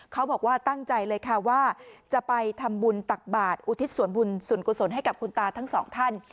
เขาบอกว่าตั้งใจเลยค่ะว่าจะไปทำบุญตักบาทอุทิศส่วนบุญส่วนกุศลให้กับคุณตาทั้งสองท่าน